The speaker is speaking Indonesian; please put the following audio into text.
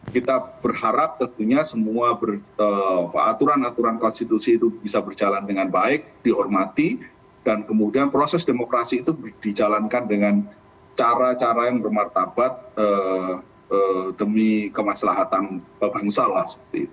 karena kita berharap tentunya semua aturan aturan konstitusi itu bisa berjalan dengan baik dihormati dan kemudian proses demokrasi itu dijalankan dengan cara cara yang bermartabat demi kemaslahatan pembengsalah